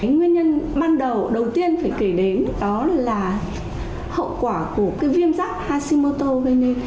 nguyên nhân ban đầu đầu tiên phải kể đến đó là hậu quả của viêm giáp hashimoto gây nên